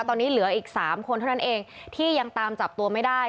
ตอนนี้เหลืออีก๓คนเท่านั้นเองที่ยังตามจับตัวไม่ได้